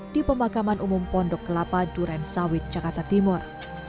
di pemakaman umum pondok kelapa duren sawit jakarta timur